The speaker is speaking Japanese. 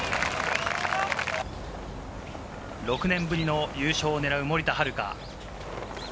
６年ぶりの優勝を狙う森田遥。